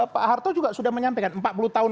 pak harto juga sudah menyampaikan empat puluh tahun